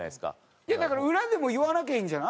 いやだから裏でも言わなきゃいいんじゃない？